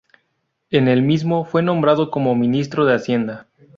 En el mismo fue nombrado como Ministro de Hacienda.